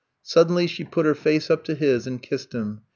'' Suddenly she put her face up to his and kissed him.